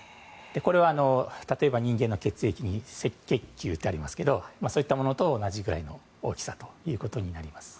これは例えば人間の血液に赤血球がありますがそういうものと同じぐらいの大きさになります。